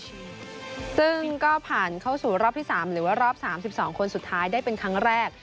ซึ่งก็ผ่านเข้าสู่รอบที่๓หรือว่ารอบ๓๒คนสุดท้ายได้เป็นครั้งแรก